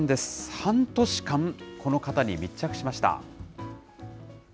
半年間、この方に密着しました。